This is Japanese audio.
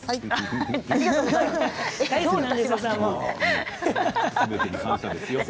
ありがとうございます。